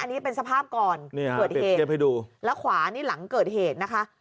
อันนี้เป็นสภาพก่อนเกิดเหตุและขวานี่หลังเกิดเหตุนะคะ